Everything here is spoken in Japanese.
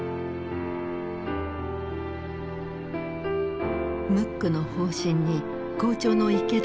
ムックの方針に校長の池田も納得した。